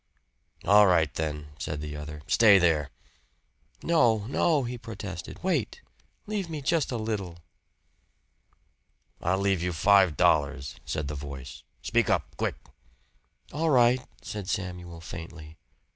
"All right then," said the other. "Stay there." "No, no!" he protested. "Wait! Leave me just a little." "I'll leave you five dollars," said the voice. "Speak up! Quick!" "All right," said Samuel faintly.